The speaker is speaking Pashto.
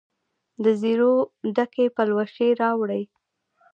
دزیرو ډکي پلوشې راوړي